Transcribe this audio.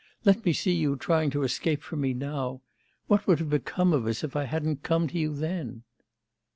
Let me see you trying to escape from me now! What would have become of us, if I hadn't come to you then!